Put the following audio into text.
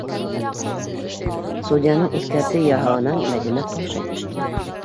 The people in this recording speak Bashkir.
Судьяның иҫкәртеү яһауынан Мәҙинә ҡаушай төштө.